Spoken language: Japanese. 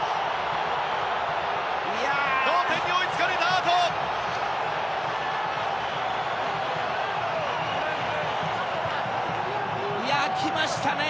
同点に追いつかれたあと。来ましたね